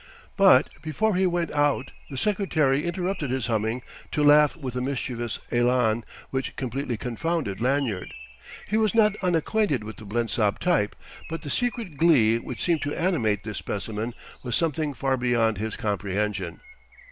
But before he went out the secretary interrupted his humming to laugh with a mischievous élan which completely confounded Lanyard. He was not unacquainted with the Blensop type, but the secret glee which seemed to animate this specimen was something far beyond his comprehension.